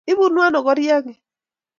Ibunu ano korak ii?